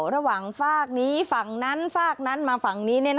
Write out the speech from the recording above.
ระหว่างฝากนี้ฝั่งนั้นฝากนั้นมาฝั่งนี้